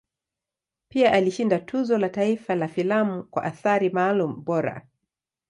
Pia alishinda Tuzo la Taifa la Filamu kwa Athari Maalum Bora.